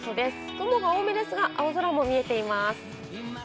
雲が多めですが、青空も見えています。